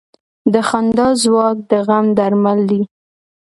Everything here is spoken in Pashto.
د خندا ځواک د غم درمل دی.